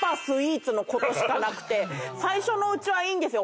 最初のうちはいいんですよ。